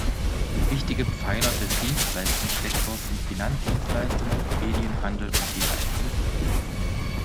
Wichtige Pfeiler des Dienstleistungssektors sind Finanzdienstleistungen, Medien, Handel und Design.